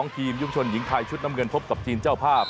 ทีมยุคชนหญิงไทยชุดน้ำเงินพบกับทีมเจ้าภาพ